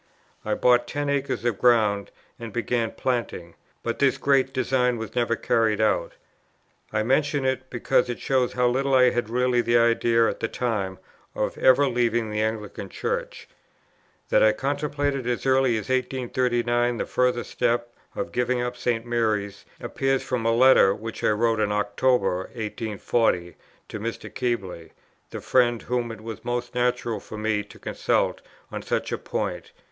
I bought ten acres of ground and began planting; but this great design was never carried out. I mention it, because it shows how little I had really the idea at that time of ever leaving the Anglican Church. That I contemplated as early as 1839 the further step of giving up St. Mary's, appears from a letter which I wrote in October, 1840, to Mr. Keble, the friend whom it was most natural for me to consult on such a point.